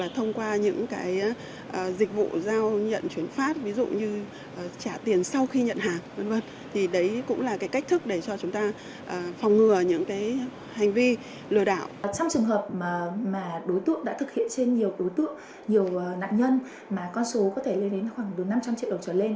trong trường hợp mà đối tượng đã thực hiện trên nhiều đối tượng nhiều nạn nhân mà con số có thể lên đến khoảng năm trăm linh triệu đồng trở lên